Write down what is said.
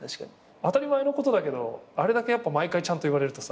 当たり前のことだけどあれだけ毎回ちゃんと言われるとさ。